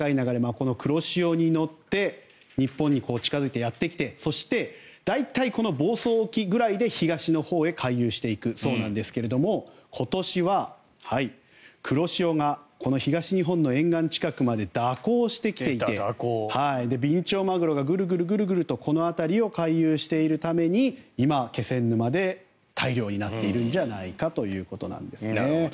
この黒潮に乗って日本に近付いてやってきてそして、大体この房総沖くらいで東のほうへ回遊していくそうなんですが今年は黒潮がこの東日本の沿岸近くまで蛇行してきていてビンチョウマグロがグルグルとこの辺りを回遊しているために今、気仙沼で大漁になっているんじゃないかということです。